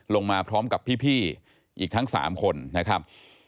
ลงมาพร้อมกับพี่อีกทั้ง๓คนนะครับ